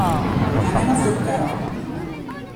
Anem a Forcall.